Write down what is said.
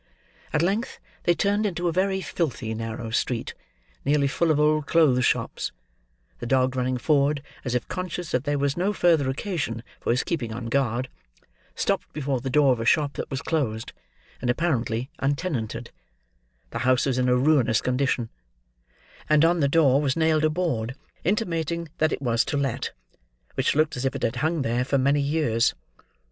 At length they turned into a very filthy narrow street, nearly full of old clothes shops; the dog running forward, as if conscious that there was no further occasion for his keeping on guard, stopped before the door of a shop that was closed and apparently untenanted; the house was in a ruinous condition, and on the door was nailed a board, intimating that it was to let: which looked as if it had hung there for many years.